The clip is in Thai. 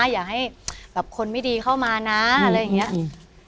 อย่าให้แบบคนไม่ดีเข้ามานะอะไรอย่างนี้